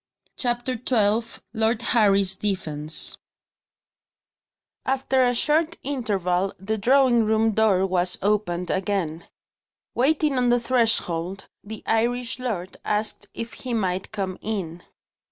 CHAPTER XII LORD HARRY's DEFENCE AFTER a short interval, the drawing room door was opened again. Waiting on the threshold, the Irish lord asked if he might come in.